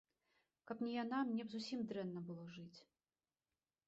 Каб не яна, мне б зусім дрэнна было жыць.